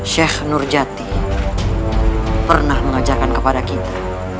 sheikh nurjati pernah mengajarkan kepada kita